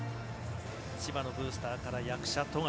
千葉のブースターから役者、富樫。